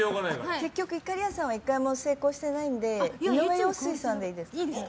結局、いかりやさんは１回も成功してないので井上陽水さんでいいですか？